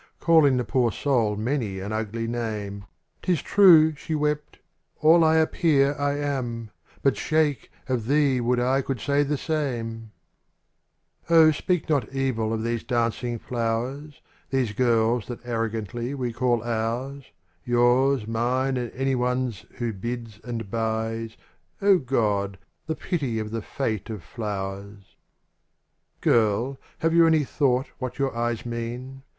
Calling the poor soul many an ugly name; '* Tis true, '' she wept, *' all I appear I am; But, sheik, of thee would I could say the samel ''^^^ SPEAK not evil of these dancing i^^ flowers. These girls that arrogantly we call ours, — Yours, mine, and anyone's who bids and buys — O God ! the pity of the fate of flowers 1 rtRL, have you any thought what your eyes mean?